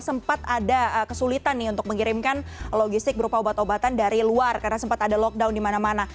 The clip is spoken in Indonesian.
sempat ada kesulitan nih untuk mengirimkan logistik berupa obat obatan dari luar karena sempat ada lockdown di mana mana